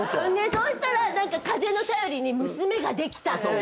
そうしたら風の便りに娘ができた。